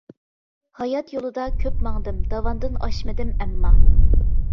ھايات يولىدا كۆپ ماڭدىم داۋاندىن ئاشمىدىم ئەمما.